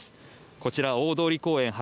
こちら大通公園８